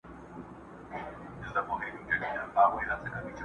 له کلونو ناپوهی یې زړه اره سو!